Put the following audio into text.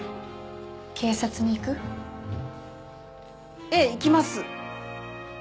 警察に行く？ええ行きます。